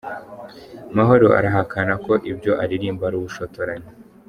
mahoro arahakana ko ibyo aririmba ari ubushotoranyi